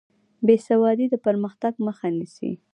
بې سوادي د پرمختګ مخه نیسي.